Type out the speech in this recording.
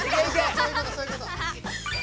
そういうことそういうこと。